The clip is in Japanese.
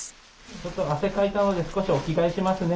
ちょっと汗かいたので少しお着替えしますね。